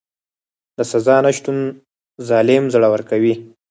د سزا نشتون ظالم زړور کوي.